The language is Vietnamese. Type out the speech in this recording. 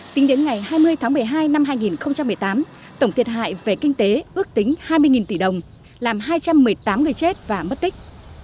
tính đến ngày hai mươi tháng một mươi hai năm hai nghìn một mươi tám tổng thiệt hại về kinh tế ước tính hai mươi